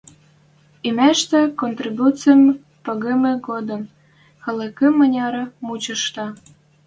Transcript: Имештӹ, контрибуцим погымы годым, халыкым маняры мучыйышда!..